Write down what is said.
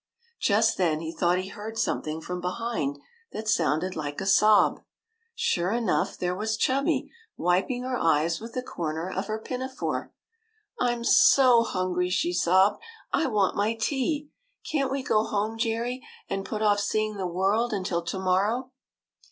Just then, he thought he heard something from behind that sounded like a sob. Sure enough, there was Chubby, wiping her eyes with the corner of her pinafore. " I 'm so hungry," she sobbed. " I want my tea. Can't we go home, Jerry, and put off see ing the world until to morrow